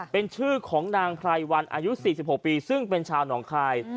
เป็นชื่อของนางไพรวันอายุ๔๖ปีซึ่งเป็นชาวหนองคาย